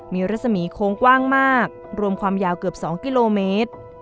มีรัศมีโค้งกว้างมากรวมความยาวเกือบ๒กิโลเมตร